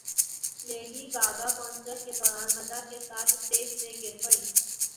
lady Gaga concert کے دوران مداح کے ساتھ اسٹیج سے گر پڑیں